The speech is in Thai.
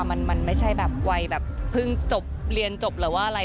มันไม่ใช่แบบวัยแบบเพิ่งจบเรียนจบหรือว่าอะไร